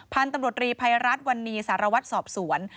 พันธุ์ตำรวจรีภัยรัฐวันนี้สารวัตรสอบสวน